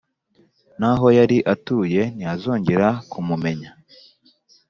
n’aho yari atuye ntihazongera kumumenya